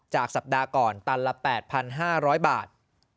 สัปดาห์ก่อนตันละ๘๕๐๐บาท